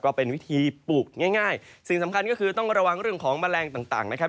ก็เป็นวิธีปลูกง่ายสิ่งสำคัญก็คือต้องระวังเรื่องของแมลงต่างนะครับ